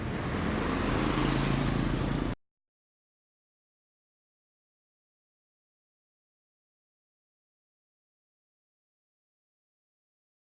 berita terkini mengenai perjalanan berikutnya